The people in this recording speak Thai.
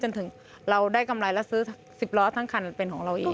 จนถึงเราได้กำไรแล้วซื้อ๑๐ล้อทั้งคันเป็นของเราเอง